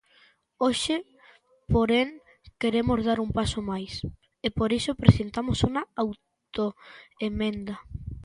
Hoxe, porén, queremos dar un paso máis, e por iso presentamos unha autoemenda.